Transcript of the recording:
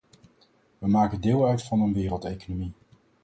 We maken deel uit van een wereldeconomie.